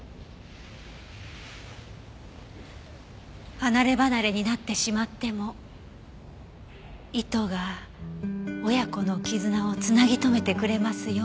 離ればなれになってしまっても糸が親子の絆を繋ぎ留めてくれますように。